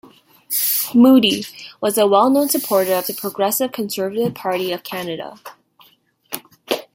Moodie was a well known supporter of the Progressive Conservative Party of Canada.